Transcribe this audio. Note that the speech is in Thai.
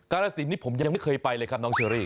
ลสินนี่ผมยังไม่เคยไปเลยครับน้องเชอรี่